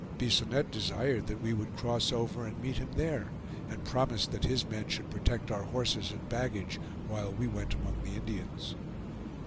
Bisonette desired that we would cross over and meet him there, and promised that his men should protect our horses and baggage while we went among the Indians.